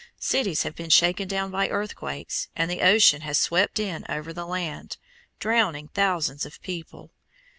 Cities have been shaken down by earthquakes, and the ocean has swept in over the land, drowning thousands of people.